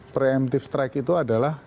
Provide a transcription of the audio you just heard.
preamtive strike itu adalah